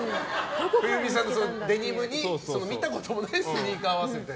冬美さんのデニムに見たこともないスニーカーを合わせて。